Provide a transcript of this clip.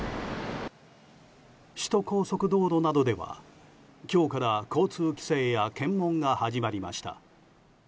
首都高速道路などでは今日から交通規制や検問が始まりました。